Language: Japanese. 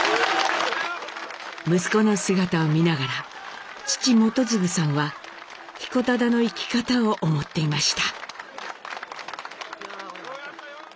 息子の姿を見ながら父基次さんは彦忠の生き方を思っていました。